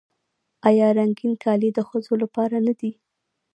آیا رنګین کالي د ښځو لپاره نه دي؟